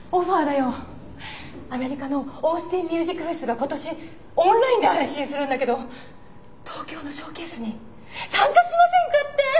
アメリカのオースティンミュージックフェスが今年オンラインで配信するんだけど東京のショーケースに参加しませんかって！